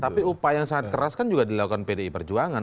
tapi upaya yang sangat keras kan juga dilakukan pdi perjuangan